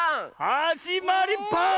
「はじまりバーン」！